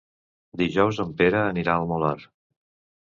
Dijous en Pere anirà al Molar.